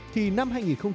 thì năm hai nghìn một mươi